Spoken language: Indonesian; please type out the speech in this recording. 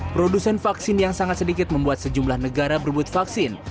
produsen vaksin yang sangat sedikit membuat sejumlah negara berebut vaksin